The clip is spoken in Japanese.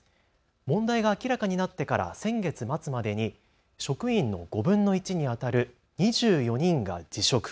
問題が明らかになってから先月末までに職員の５分の１にあたる２４人が辞職。